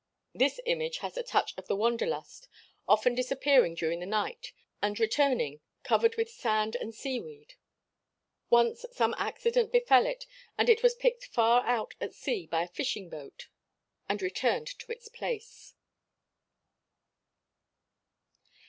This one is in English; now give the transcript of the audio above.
This Image has a touch of the wanderlust often disappearing during the night and returning, covered with sand and sea weed. Once some accident befell it and it was picked far out at sea by a fishing boat and returned to its place.